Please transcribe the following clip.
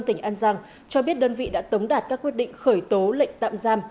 tỉnh an giang cho biết đơn vị đã tống đạt các quyết định khởi tố lệnh tạm giam